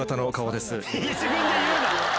自分で言うな！